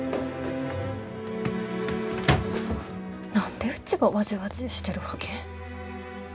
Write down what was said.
何でうちがわじわじーしてるわけ？